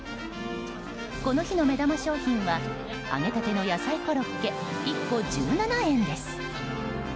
この日の目玉商品は揚げたての野菜コロッケ１個１７円です。